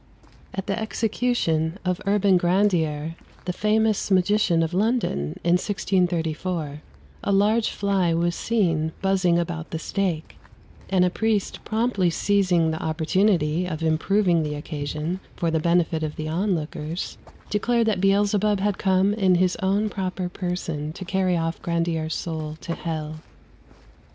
At the execution of Urban Grandier, the famous magician of London, in 1634, a large fly was seen buzzing about the stake, and a priest promptly seizing the opportunity of improving the occasion for the benefit of the onlookers, declared that Beelzebub had come in his own proper person to carry off Grandier's soul to hell.